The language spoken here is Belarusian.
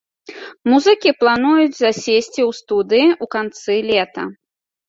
Музыкі плануюць засесці ў студыі ў канцы лета.